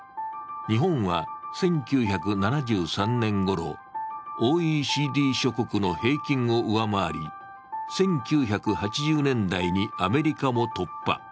日本は１９７３年ごろ、ＯＥＣＤ諸国の平均を上回り、１９８０年代にアメリカも突破。